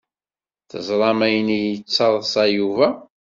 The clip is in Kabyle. Tezram ayen la yettadṣa Yuba?